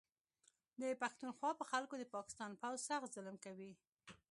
د پښتونخوا په خلکو د پاکستان پوځ سخت ظلم کوي